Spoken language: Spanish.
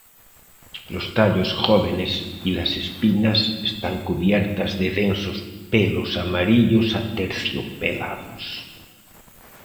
Los tallos jóvenes y las espinas están cubiertas de densos pelos amarillos aterciopelados.